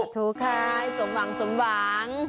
สาธุค่ะสมหวัง